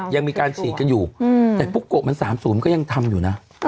ยังมีการฉีดกันอยู่แต่ปุ๊กโกะมัน๓๐ก็ยังทำอยู่นะ